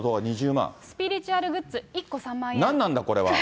スピリチュアルグッズ、１個３万何なんだこれは。